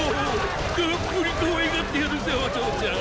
たっぷりかわいがってやるぜお嬢ちゃん！